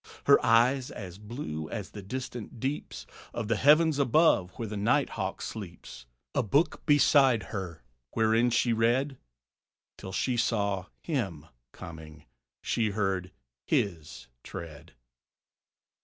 Her eyes, as blue as the distant deeps Of the heavens above where the high hawk sleeps; A book beside her, wherein she read Till she saw him coming, she heard his tread.